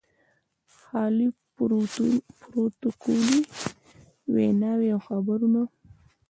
خالي پروتوکولي ویناوې او خبرونه.